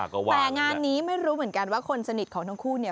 แต่งานนี้ไม่รู้เหมือนกันว่าคนสนิทของทั้งคู่เนี่ย